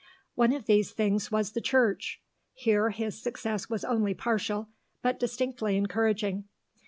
One of these things was the Church; here his success was only partial, but distinctly encouraging.